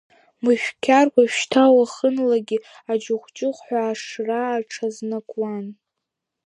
Мышәқьар уажәшьҭа уахынлагьы аҷыӷә-ҷыӷәҳәа ашра аҽазнакуан.